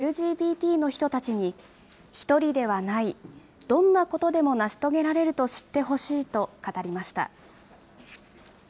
孤独を感じている若いＬＧＢＴの人たちに、一人ではない、どんなことでも成し遂げられると知ってほしいと語りました。